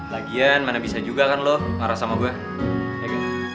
lagian mana bisa juga kan lo marah sama gue